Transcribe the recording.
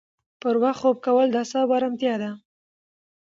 پر وخت خوب کول د اعصابو ارامتیا ده.